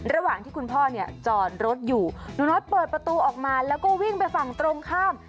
ระหว่างที่คุณพ่อเนี่ยจอดรถอยู่หนูน้อยเปิดประตูออกมาแล้วก็วิ่งไปฝั่งตรงข้าม